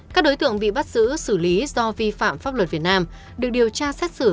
các đối tượng bị bắt giữ xử lý do vi phạm pháp luật việt nam được điều tra xét xử